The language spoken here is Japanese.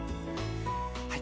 はい。